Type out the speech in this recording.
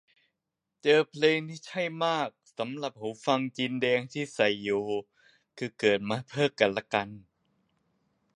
เจอเพลงที่ใช่มากสำหรับหูฟังจีนแดงที่ใส่อยู่ คือเกิดมาเพื่อกันและกัน